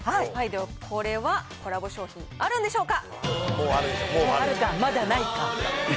では、これはコラボ商品あるんでしょうか。